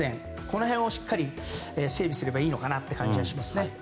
この辺をしっかり整備すればいいのかなと感じますね。